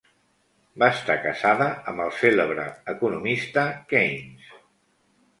Va estar casada amb el cèlebre economista Keynes.